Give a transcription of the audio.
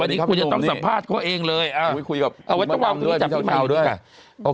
วันนี้กูจะต้องสัมภาษณ์กับเขาเองเลยเอาไว้ต้องวางด้วยจับพี่เจ้าเช้าด้วย